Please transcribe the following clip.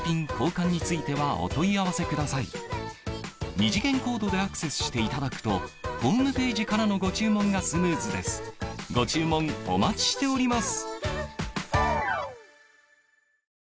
二次元コードでアクセスしていただくとホームページからのご注文がスムーズですご注文お待ちしております